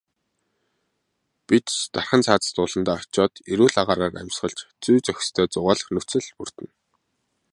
Бид ч дархан цаазат ууландаа очоод эрүүл агаараар амьсгалж, зүй зохистой зугаалах нөхцөл бүрдэнэ.